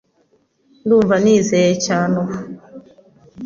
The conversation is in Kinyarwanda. Ndumva nizeye cyane ubu.